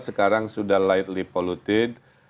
sekarang sudah lightly polluted